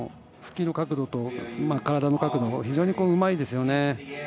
スキーの角度と体の角度非常にうまいですよね。